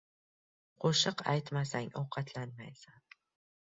• Qo‘shiq aytmasang ― ovqatlanmaysan.